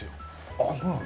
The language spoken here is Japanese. あっそうなの？